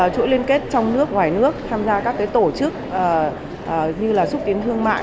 chuỗi liên kết trong nước ngoài nước tham gia các tổ chức như là xúc tiến thương mại